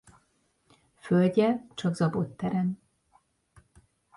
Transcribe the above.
Földje csak zabot terem.